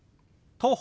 「徒歩」。